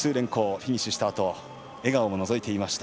フィニッシュしたあと笑顔ものぞいていました。